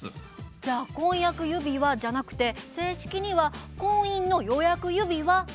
じゃあ「婚約指輪」じゃなくて正式には「婚姻の予約指輪」になるんですね。